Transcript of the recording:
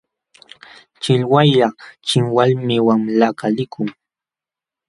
Chiwaylla chinwalmi wamlakaq likun.